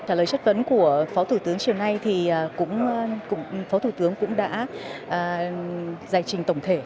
trả lời chất vấn của phó thủ tướng chiều nay thì phó thủ tướng cũng đã giải trình tổng thể